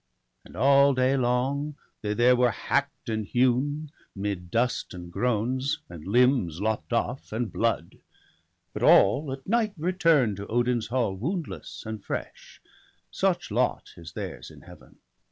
And all day long they there are hack'd and hewn 'Mid dust, and groans, and limbs lopp'd off, and blood ; But all at night return to Odin's hall Woundless and fresh ; such lot is theirs in Heaven.